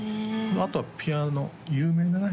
あとはピアノ有名なね